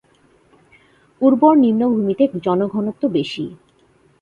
উর্বর নিম্নভূমিতে জনঘনত্ব বেশি।